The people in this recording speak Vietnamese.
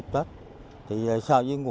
mất khoảng bảy mươi